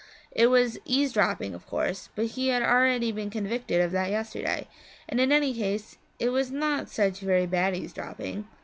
It was eavesdropping of course, but he had already been convicted of that yesterday, and in any case it was not such very bad eavesdropping.